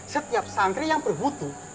setiap santri yang berbutuh